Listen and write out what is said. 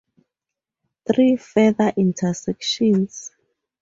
Three further intersections.